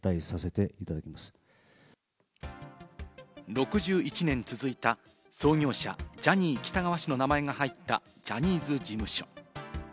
６１年続いた創業者・ジャニー喜多川氏の名前が入ったジャニーズ事務所。